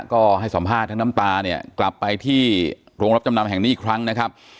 ก็ให้สัมภาษณ์ทั้งน้ำตาเนี่ยกลับไปที่โรงรับจำนำแห่งนี้อีกครั้งนะครับ